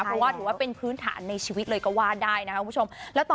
เพราะว่าถือว่าเป็นพื้นฐานในชีวิตเลยก็ว่าได้นะครับคุณผู้ชม